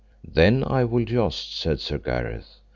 Then will I joust, said Sir Gareth.